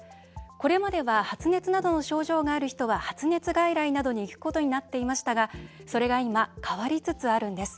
これまでは発熱などの症状がある人は、発熱外来などに行くことになっていましたがそれが今、変わりつつあるんです。